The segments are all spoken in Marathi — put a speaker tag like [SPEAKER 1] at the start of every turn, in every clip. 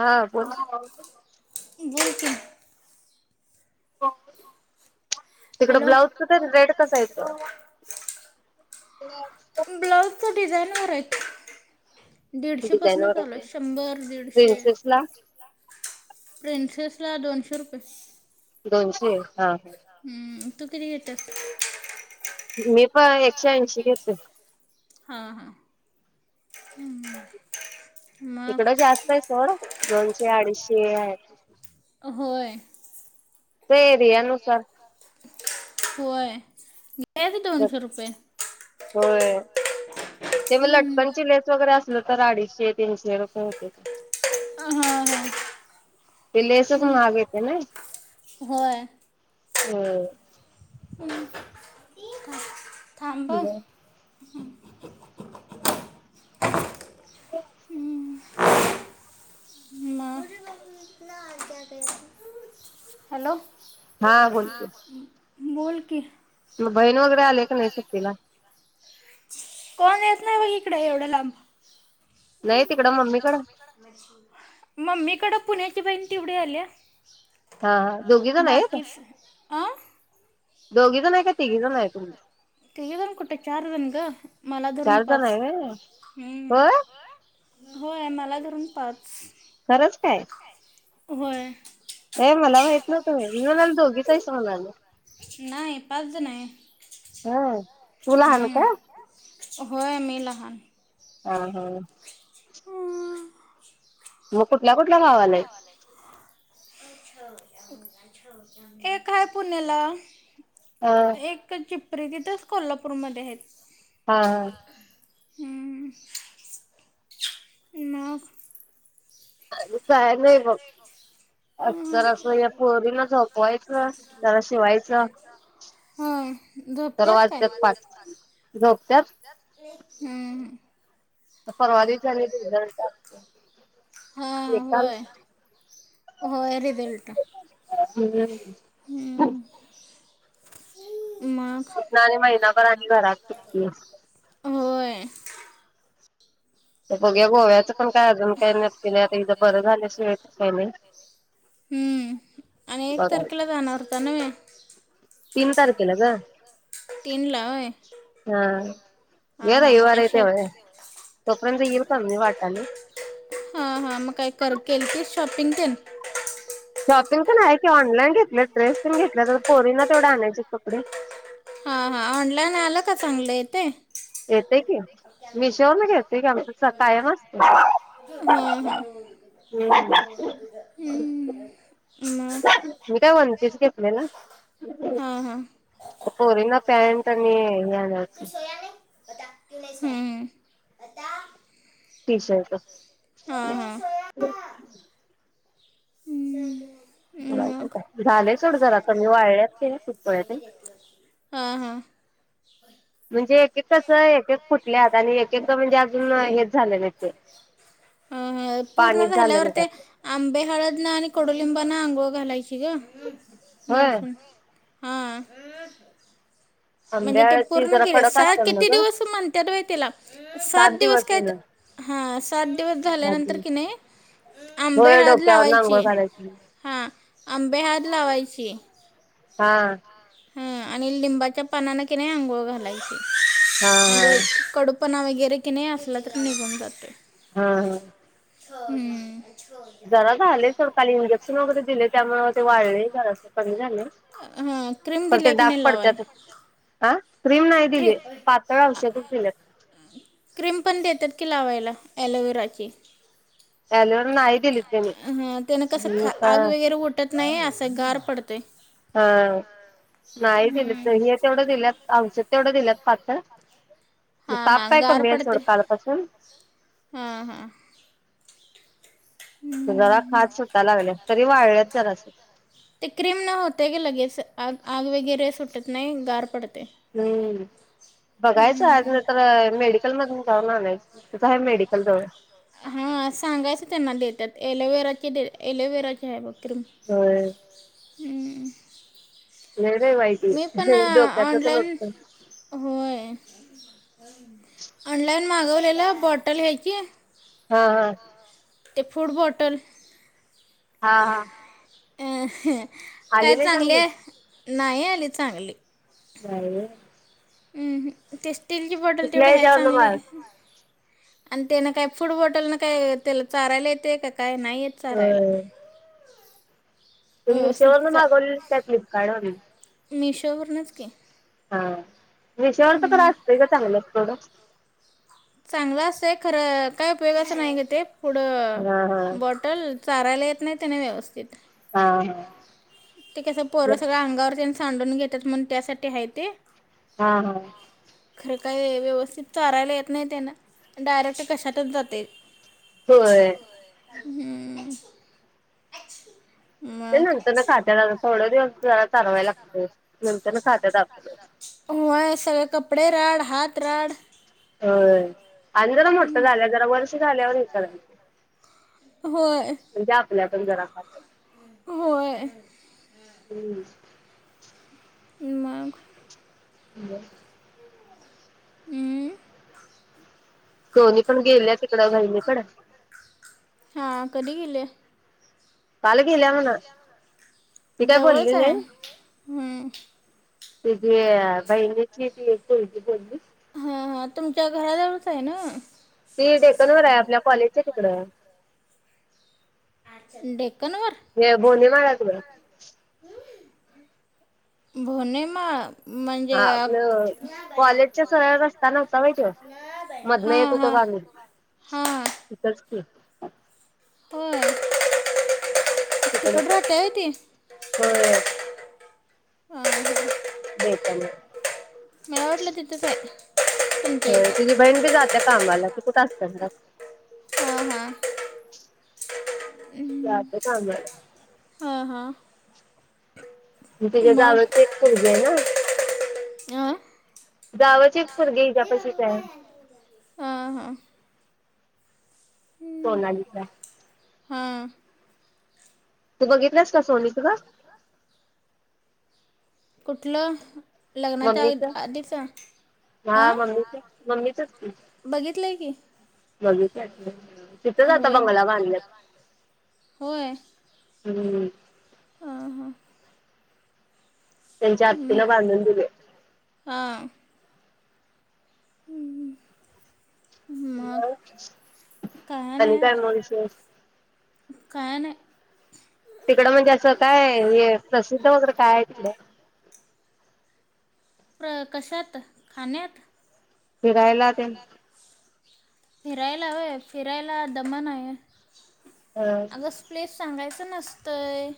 [SPEAKER 1] हा कोण?
[SPEAKER 2] बोल की.
[SPEAKER 1] हो. तिकड ब्लाउजच तेन रेट कस हाईत गं?
[SPEAKER 2] ब्लाऊज चा डिझाईन घात तली. दीडशे पसनं चालूय शंभर, दीडशे. प्रिंसेस ला दोनशे रुपये.
[SPEAKER 1] दोनशे हां-ह.
[SPEAKER 2] तू कधी गेलतास?
[SPEAKER 1] मी पण एकशे ऐंशी घेतोय.
[SPEAKER 2] हां-हां. हम्म.
[SPEAKER 1] इकडं जास्त आहे सोड, दोनशे अडीचशे आय
[SPEAKER 2] अं होय ते रिया नुसार होय द्यायचं दोनशे रुपये
[SPEAKER 1] तेव्हा लटकनची लेस वगैरे असलं तर अडीचशे तीनशे रुपये होते, ते लेसच महाग येते नय? होय
[SPEAKER 2] अम् ठीक हाय थांब हं [inaudible] अ हॅलो आ बोल की
[SPEAKER 1] मग बहीण वगैरे आली की नाही सुट्टीला
[SPEAKER 2] नाही बघ इकडे एवढ्या लांब नाही तिकडं मम्मीकडं आली हायस तू मम्मीकडं पुण्याची बहीण तेवढी आली या
[SPEAKER 1] हा, हा दोघी जण आहेत
[SPEAKER 2] दोघी जण आहे का, तिघी जण आहे तिघी जणी कुठं, चार जणी गं, मला धरून पाच चार जणी आहे हं होय! होय मला धरून पाच
[SPEAKER 1] खरंच काय
[SPEAKER 2] होय
[SPEAKER 1] हे मला माहित नव्हत बाई मी म्हणायलोय दोघीच हायसा म्हणालोय
[SPEAKER 2] नाही पाच जण आहे
[SPEAKER 1] [inaudible] तू लहान काय?
[SPEAKER 2] होय मी लहान
[SPEAKER 1] हां हं
[SPEAKER 2] ह्म्म
[SPEAKER 1] मग कुठल्या कुठल्या गावाला आहेत
[SPEAKER 2] एक हाय पुण्याला एक चिप रेगीतच कोल्हापूरमध्ये हायेत
[SPEAKER 1] हा हा
[SPEAKER 2] ह्म्म मग,
[SPEAKER 1] [inaudible] काय नाही बघ, जरासं या पोरीला झोपवायचं, जरा शिवायचं, तर वाजत्यात पाच, झोपत्यात
[SPEAKER 2] हम्म - हा, होय. होय रिझल्ट
[SPEAKER 1] हम्म [inaudible] [inaudible] आणि महिना मग आणि घरात सुट्टी.
[SPEAKER 2] हम्म आणि एक तारखेला जाणार होता नवे.
[SPEAKER 1] तीन तारखेला ग हा या रविवार येतयव तोपर्यंत येईल कमी वाट [inaudible]
[SPEAKER 2] हा हा मग काय कर केलतीस शॉपिंग तेन
[SPEAKER 1] शॉपिंग पण आहे की ऑनलाईन घेतलं ड्रेस पण घेतल्या तर पोरीना तेवढे आणायचे कपडे.
[SPEAKER 2] हा हा ऑनलाईन आलं का चांगलं येतंय. हा हम्म हम्म,
[SPEAKER 1] मी काय वणपीस घेतलेला पोर ना पँट आणि हे आणायच.
[SPEAKER 2] हम्म
[SPEAKER 1] टी शर्ट
[SPEAKER 2] हम्म
[SPEAKER 1] झालंय सोड जरा कमी वाळल्यात ते फुटकुळ्या तेन.
[SPEAKER 2] हम हम्म पूर्ण झाल्यावर ते आंबे हळद ना आणि कडुलिंबा न आंघोळ, घालायची. [unintelligible] हा- म्हणजे ते पूर्ण केले. सात किती दिवस म्हणतात बाई तिला सात दिवस काय हा सात दिवस झाल्यानंतर कि नाही आंबे हळद लावायची हा. आंबे हळद लावायची.
[SPEAKER 1] हा,
[SPEAKER 2] हा आणि लिंबाच्या पानाने कि नाही आंघोळ घालायची. म्हणजे कडूप [unintelligible] वगैरे की नाही असला तर निघून जातोय.
[SPEAKER 1] हा हा,
[SPEAKER 2] हूं
[SPEAKER 1] जरा झालय सरकारी इंजेक्शन वगैरे दिलय त्यामुळ ते वाळलय जरास कमी झालंय. तर ते डाग पडत्यातच अ क्रीम नाय दिले पातळ औषधच दिल्यात.
[SPEAKER 2] की लावायला ॲलोविराची
[SPEAKER 1] अलोवेरा नाही दिली.
[SPEAKER 2] हा त्यान कसं खा आग वगैरे उठत नाई अस- ते गार पडत
[SPEAKER 1] हा नाही दिल ते हे तेवढं दिल्यात औषध तेवढं दिल्यात पातळ ताप काय कमी हाय सोड काल पासून जरा खास सुटालागलीया तरी वाळळ्यात जरास
[SPEAKER 2] आग वगैरे सुटत नाई गार पडत
[SPEAKER 1] हूं बघायचं आज नाहीतर मेडिकल मधून जाऊण आणायच तिथं हाय मेडिकल जवळ
[SPEAKER 2] हा सांगायचं त्यांना देत्यात एलोवेराचे दे एलोवेराचे हाय बघ क्रीम हूं
[SPEAKER 1] लय बाई वाईट ये [unintelligible] डोक्याचत नुसतं
[SPEAKER 2] [inaudible] ऑनलाइन मागवलेलं बॉटल ह्याची ते फूड बॉटल
[SPEAKER 1] हा हा
[SPEAKER 2] अ हं [unintelligible] काय चांगले नाही आली चांगली
[SPEAKER 1] [unintelligible]
[SPEAKER 2] अहं तेच टिलची बॉटल तेवढी हाय चांगली आणि त्येन काय फूड बॉटल न काय त्याला चारायला येतय काय? काय नाय येत चाारायला.
[SPEAKER 1] तु मीशोवरन मागिवलेलीस काय फ्लिपकार्ड वरन
[SPEAKER 2] मिशो वरनच की
[SPEAKER 1] हा मीशोवरचा पण असतग चांगलं प्रॉडक्ट
[SPEAKER 2] ते खरं काय उपयोगाच नाही ग ते पुढं बॉटल चारायला येत. नाही त्यांना व्यवस्थित ते कस पोर सगळ अंगावर तेन सांडून घेत्यात म्हणून त्यासाठी आहे ते.
[SPEAKER 1] हा हा
[SPEAKER 2] खरं काय व्यवस्थित चरायला येत नाही त्यांन डायरेक्ट घशातच जातय.
[SPEAKER 1] होय.
[SPEAKER 2] हम्म. अच्छी
[SPEAKER 1] ते नंतर न खात्यात आता थोड दिवस जरा चारवाय लागतय नंतर न खात्यात आपणच.
[SPEAKER 2] सगळे कपडे राड हात राड.
[SPEAKER 1] व्हय आणि जरा मोठं झाल्या जरा वर्ष झाल्यावर हे करायचं. म्हणजे आपल्या पण जरा खातय हम्.
[SPEAKER 2] मग?
[SPEAKER 1] बर.
[SPEAKER 2] हा. कधी गेले? जवळच आहे हम्म.
[SPEAKER 1] तीजी बहिणीची ती चुलती बोलली.
[SPEAKER 2] हा हा तुमच्या घराजवळच हाय नव?
[SPEAKER 1] ती डेकनवर आहे आपल्या कॉलेजच्या तिकडं.
[SPEAKER 2] अचा डेक कनवर. भोणे माळ
[SPEAKER 1] हा आपलं कॉलेजच्या सरळ रस्ता नव्हता व्हय तो मधनं येत होतो बघ आम्ही तिथच की.
[SPEAKER 2] होय.
[SPEAKER 1] तिकडच होय.
[SPEAKER 2] हा हा. मला वाटलं तिथंच हाय.
[SPEAKER 1] व्हय तिझी बहीण बी जातीया कामाला ती कुठं असतिया घरात. या तर सांगालय
[SPEAKER 2] हा.
[SPEAKER 1] ती तिच्या जावची एक पोरगी आहे ना
[SPEAKER 2] अ
[SPEAKER 1] जावची पोरगी हिज्यापाशीच हाय. सोनालीच्या तू बघितल्यास
[SPEAKER 2] [inaudible] कुठलं?
[SPEAKER 1] मम्मीच हा मम्मीच मम्मीचच की हा तिथच आता बंगला बांधल्यात. हुं. त्यांच्या आत्तीला बांधून दिले. मुलगा होय आणि काय मग विषेश? तिकड म्हणजे असं काय हे प्रसिद्ध वगैरे काय तिकड?
[SPEAKER 2] प्र कशात खाण्यात? फिरायला ते. फिरायला होय फिरायला दमन आहे. आग स प्लेस सांगायच नसतंय.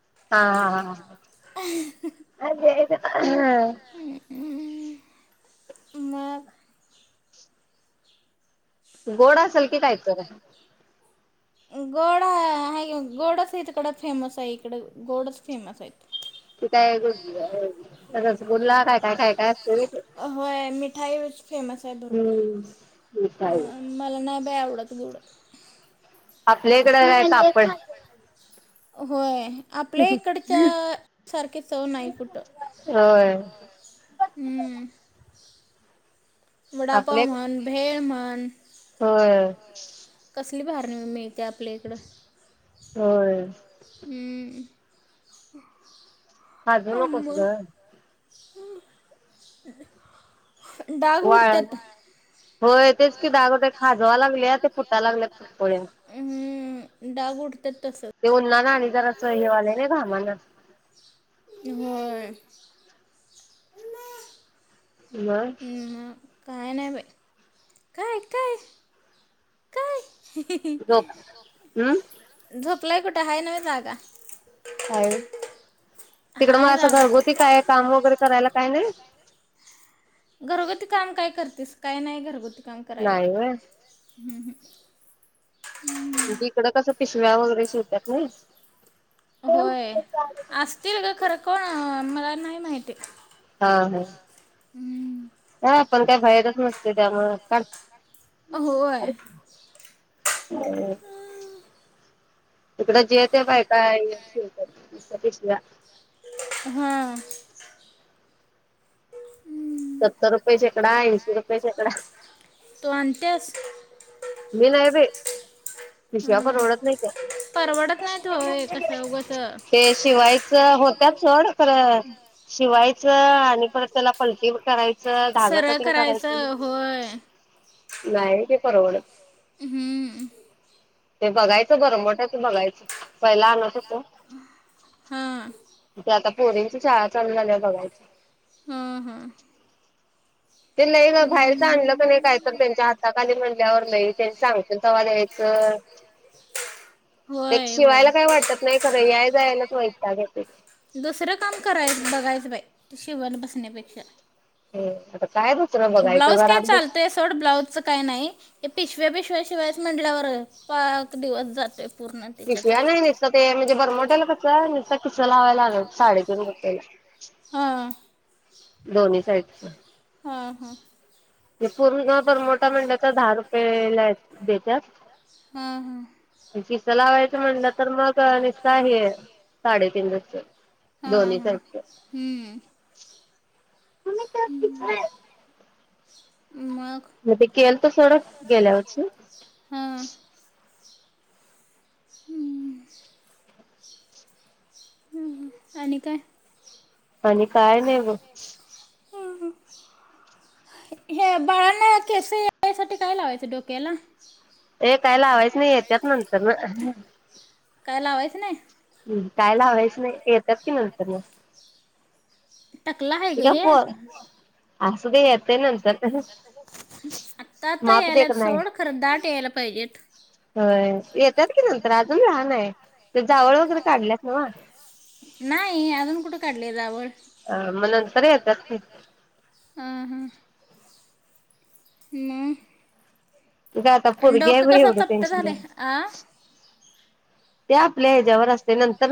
[SPEAKER 1] हां हां हां. हां.
[SPEAKER 2] हुं हुं मग?
[SPEAKER 1] गोड असल की कायतर.
[SPEAKER 2] गोड हाय-गोडच तिकडं फेमस आहे इकड गोडच फेमस आहेत.
[SPEAKER 1] [inaudible] गोडीला काय काय काय काय असतनय इथ.
[SPEAKER 2] ठाय व फेमस आहे भरपूर अं मला ना काय आवडत बिवडत
[SPEAKER 1] आपल्या इकडं काय कापड
[SPEAKER 2] होय. आपल्या इकडच्या सारखी चव नाही कुठं हम. वडापाव म्हन भेळ म्हन [inaudible]
[SPEAKER 1] होय.
[SPEAKER 2] कसली भारीन मिळत्या आपल्या इकडं.
[SPEAKER 1] होय.
[SPEAKER 2] हुं.
[SPEAKER 1] खाजवू नकोस ग.
[SPEAKER 2] [inaudible] डाग उटत्यात
[SPEAKER 1] होय तेच कि तिथ ओगोदर ते खाजवालागलया ते फुटाय लागलयात गोळयान
[SPEAKER 2] डाग उटत्यात तसंच
[SPEAKER 1] उन्हान आणि जरासं हे व्हायला लागलय नाय घामान
[SPEAKER 2] होय.
[SPEAKER 1] म?
[SPEAKER 2] झोप झोपलाय कुठ हाय नव जागा.
[SPEAKER 1] तिकड मग असं घरगुती काय काम वगरे करायला काय नाही?
[SPEAKER 2] घरगुती काम काय करतेस काय नाय घरगुती. काम करायला हम्म हम्म
[SPEAKER 1] म्हणजे इकड कस पिशव्या वगरे शिवतात नाई.
[SPEAKER 2] होय असतील ग खर कोण मला नाही माहिती.
[SPEAKER 1] हा ह हा पण त्या बाहेरच नसत्या त्यामुळ साग तकडे जे ते बायका हे शिवतात पिशव्या
[SPEAKER 2] [inaudible]
[SPEAKER 1] सत्तर रुपयये शेकडा ऐंशी रुपये शेकडा. मी नाय बाई. पिशव्या परवडत नाही त्या ते शिवायचं हो त्या चड खर शिवाय आणि परत त्याला पलटी कराय
[SPEAKER 2] सरळ करायचं होय.
[SPEAKER 1] नाही ते परवडत.
[SPEAKER 2] हम्म
[SPEAKER 1] ते बघायचं बरं मोठ्याच बघायचं पहिला आणाचा तो तेे आता पोरींची शाळा चालू झाल्यावर बघायच
[SPEAKER 2] ह ह
[SPEAKER 1] ते लई ग बाहेरच आणलं त नाही काय तर त्यांच्या हाताखाली म्हणल्यावर नाही ते सांगतील तवा द्यायचं ते शिवायला काय वाटत नाही खरं याय जायलाच वईताग येतोय
[SPEAKER 2] ते शेवण बसण्यापेक्षा
[SPEAKER 1] [unintelligible]
[SPEAKER 2] ब्लाऊज काय चालतय सोड ब्लाऊजच काय नाही पिशव्या पिशव्या बीशव्या शिवायच म्हंडल्यावर पाक दिवस जातोय
[SPEAKER 1] पिशव्या नाही नुसत ते म्हणजे बरमोट्याला कस नुसत कसं लावायला लागल साडे दोन्ही साईड
[SPEAKER 2] हं
[SPEAKER 1] ते पूरु ज्योत रमोठा म्हणल तर दहा रुपये ला देत्या किसा लावायच म्हणलं तर मग निसता हे साडेतीन रु दोही साईड चा
[SPEAKER 2] [inaudible]
[SPEAKER 1] मध्ये केलत थोड गेल्यावरषी
[SPEAKER 2] हूं हूं हूं आणि काय
[SPEAKER 1] आणि काय नाही ग
[SPEAKER 2] हे बाळांना केसं यायसाठी काय लावायचं डोक्याला
[SPEAKER 1] ए काही लावायच नाही येत्यांत नंतर न
[SPEAKER 2] काय लावायचं नाही
[SPEAKER 1] हूं काय लावायचं नाही येतात कि नंतर न त का प अस ते येतय नंतर माप देखना आहय होय येतात कि नंतर अजून लहान आहे ते जावळ वगैरे काढल्यात नव्ह
[SPEAKER 2] काढले जावळ
[SPEAKER 1] अ म्हनून
[SPEAKER 2] हं हं म
[SPEAKER 1] जाता पुूर ग्या वे एवढं टेनशन घ्या ते आपल्या ह्याच्यावर असते नंतर